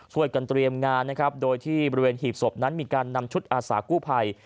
ช่วยกันเตรียมงานนะครับโดยที่บริเวณหีบศพนั้นมีการนำชุดอาสากู้ภัย